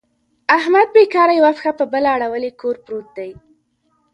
احمد بېکاره یوه پښه په بله اړولې کور پورت دی.